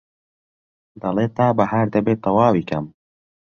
دەڵێ تا بەهار دەبێ تەواوی کەم